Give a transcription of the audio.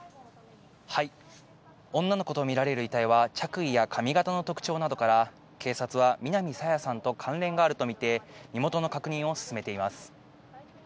女の子とみられる遺体は着衣や髪形の特徴などから警察は南朝芽さんと関連があるとみて身元の確認を進めています。